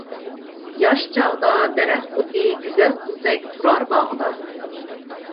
ياش چاغدا دەرەخ خۇددى گۈزەل قىزدەك تۇرار باغدا.